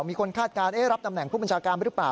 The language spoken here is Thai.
คาดการณ์รับตำแหน่งผู้บัญชาการหรือเปล่า